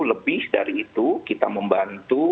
lebih dari itu kita membantu